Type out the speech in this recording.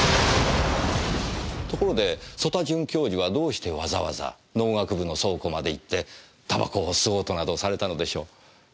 ところで曽田准教授はどうしてわざわざ農学部の倉庫まで行って煙草を吸おうとなどされたのでしょう？